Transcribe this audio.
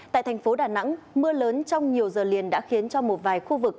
tại thành phố đà nẵng mưa lớn trong nhiều giờ liền đã khiến cho một vài khu vực